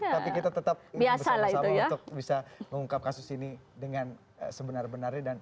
tapi kita tetap ingin bersama sama untuk bisa mengungkap kasus ini dengan sebenar benarnya